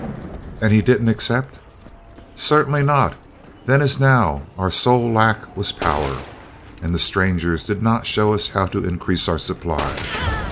"And he didn't accept?" "Certainly not. Then as now our sole lack was power, and the strangers did not show us how to increase our supply.